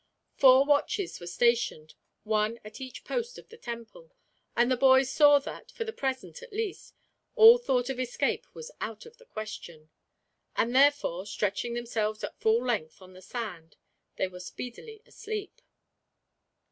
Four watches were stationed, one at each post of the temple; and the boys saw that, for the present, at least, all thought of escape was out of the question. And therefore, stretching themselves at full length on the sand, they were speedily asleep.